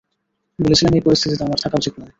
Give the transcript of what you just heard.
বলেছিলাম এই পরিস্থিতিতে আমার থাকা উচিত নয়।